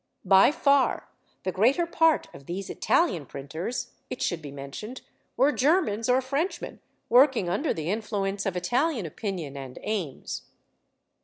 By far the greater part of these Italian printers, it should be mentioned, were Germans or Frenchmen, working under the influence of Italian opinion and aims.